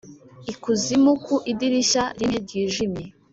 ikuzimu ku idirishya rimwe ryijimye;